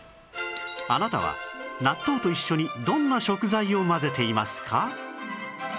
あなたは納豆と一緒にどんな食材を混ぜていますか？